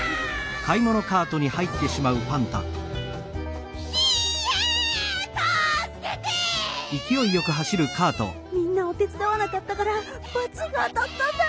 こころのこえみんなをてつだわなかったからばちがあたったんだ！